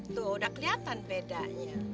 tuh udah kelihatan bedanya